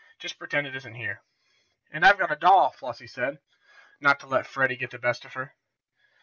"Just pretend it isn't there." "And I've got a doll!" Flossie said, not to let Freddie get the best of her.